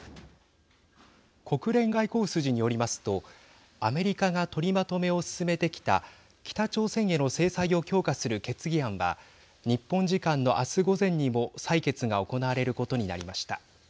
国連外交筋によりますとアメリカが取りまとめを進めてきた北朝鮮への制裁を強化する決議案は日本時間の、あす午前にも採決が行われることになりました。